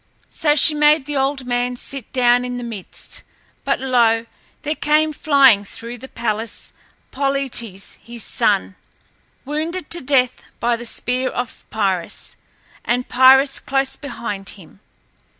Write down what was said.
So she made the old man sit down in the midst. But lo! there came flying through the palace, Polites, his son, wounded to death by the spear of Pyrrhus, and Pyrrhus close behind him.